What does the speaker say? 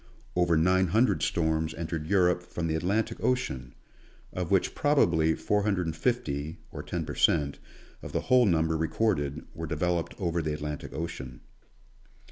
Over nine hundred storms entered Europe from the Atlantic ocean, of which probably four hundred and fifty, or ten per cent, of the whole number recorded, were developed over the Atlantic ocean.